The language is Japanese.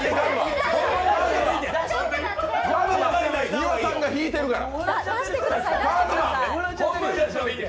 丹羽さんが引いてるから。